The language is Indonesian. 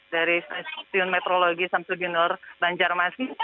dari sisiun metrologi samstudinur banjarmasi